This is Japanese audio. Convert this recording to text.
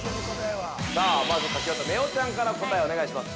◆まず書き終わった、ねおちゃんから答えをお願いします。